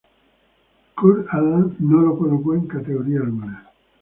Kurt Aland no lo colocó en categoría alguna.